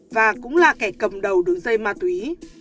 và cũng là kẻ cầm đầu đường dây ma túy